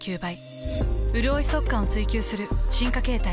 うるおい速乾を追求する進化形態。